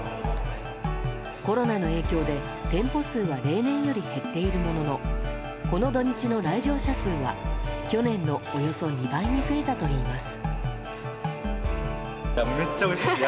コロナの影響で、店舗数は例年より減っているもののこの土日の来場者数は去年のおよそ２倍に増えたといいます。